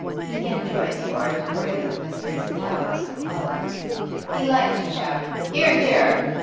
He enjoyed the oratory of Messrs. Cowes and Cullen; he liked to shout 'Hear, hear!